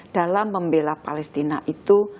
dalam membela palestina itu